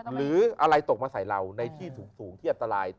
หรืออะไรตกมาใส่เราในที่สูงที่อันตราย